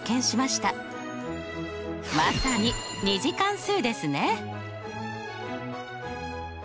まさに２次関数ですね。